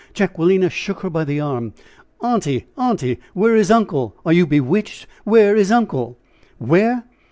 Jacquelina shook her by the arm. "Aunty! aunty! Where is uncle? Are you bewitched? Where is uncle?" "Where?